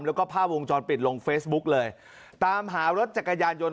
แล้วก็ภาพวงจรปิดลงเฟซบุ๊กเลยตามหารถจักรยานยนต์